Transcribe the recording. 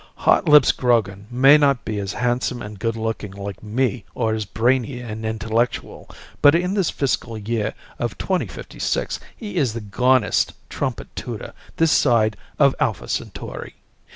Hotlips Grogan may not be as handsome and good looking like me or as brainy and intellectual, but in this fiscal year of 2056 he is the gonest trumpet tooter this side of Alpha Centauri.